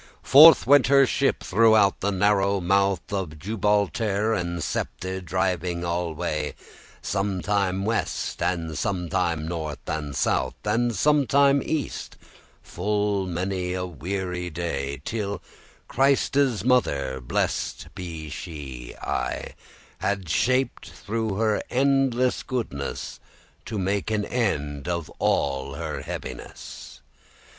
Forth went her ship throughout the narrow mouth Of *Jubaltare and Septe,* driving alway, *Gibraltar and Ceuta* Sometime west, and sometime north and south, And sometime east, full many a weary day: Till Christe's mother (blessed be she aye) Had shaped* through her endeless goodness *resolved, arranged To make an end of all her heaviness.